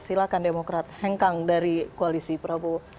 silahkan demokrat hengkang dari koalisi prabowo